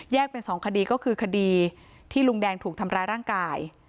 เป็นสองคดีก็คือคดีที่ลุงแดงถูกทำร้ายร่างกาย